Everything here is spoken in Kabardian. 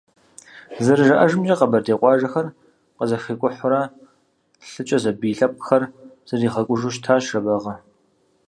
ЗэрыжаӀэжымкӀэ, къэбэрдей къуажэхэр къызэхикӀухьурэ, лъыкӀэ зэбий лъэпкъхэр зэригъэкӀужу щытащ Жэбагъы.